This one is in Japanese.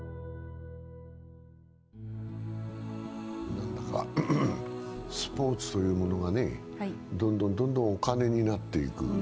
何だかスポーツというものがね、どんどんお金になっていく。